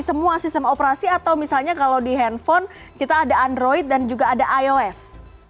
semua sistem operasi atau misalnya kalau di handphone kita ada android dan juga ada ios